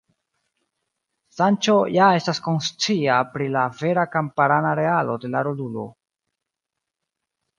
Sanĉo ja estas konscia pri la vera kamparana realo de la rolulo.